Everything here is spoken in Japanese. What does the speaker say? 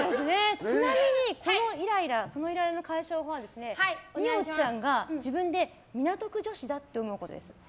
ちなみにそのイライラの解消法は二葉ちゃんが自分で港区女子だって思うことです。